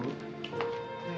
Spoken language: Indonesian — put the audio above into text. itu tuh harda what cha diray